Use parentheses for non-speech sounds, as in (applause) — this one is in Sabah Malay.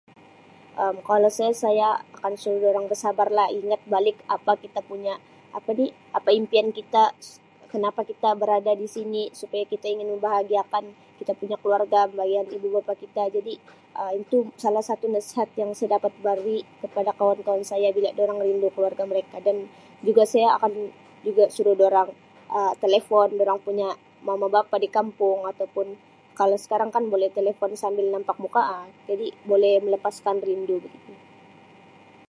Um Kalau saya, saya akan suruh orang bersabarlah, ingat balik apa kita punya apa ni apa impian kita, kenapa kita berada di sini supaya kita ingin membahagiakan kita punya keluarga (unintelligible) ibu bapa kita jadi Um itu salah satu nasihat yang saya dapat beri kepada kawan-kawan bila durang rindu keluarga mereka dan juga saya akan juga suruh durang Um telefon durang punya mama bapa di kampung ataupun kalau sekarangkan boleh telefon sambil nampak muka Um jadi boleh melepaskan rindu (unintelligible)